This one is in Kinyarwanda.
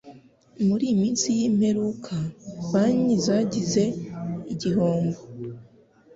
Muri iyi minsi y'imperuka, banki zagize igihombo